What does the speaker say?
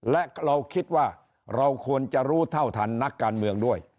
และเราคิดว่าเราควรจะรู้เท่าทันนักการเมืองด้วย